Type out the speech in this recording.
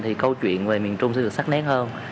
thì câu chuyện về miền trung sẽ được sắc nét hơn